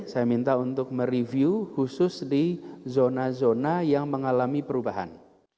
saya minta untuk mereview khusus di zona zona yang mengalami perubahan